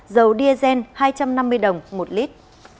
dầu dsn hai trăm năm mươi đồng một lít